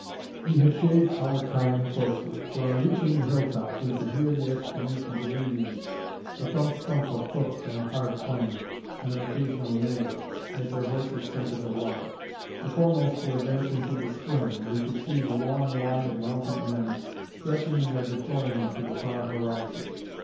We had shaved our time closely; for, on reaching the hill top, we could hear the exclamations of Indians, the "thump, thump" of hoofs on the hard plain, and an occasional neigh, as their horses scented the water. The foremost were advancing to the spring; and we could see the long line of mounted men stretching in their deploying to the far horizon.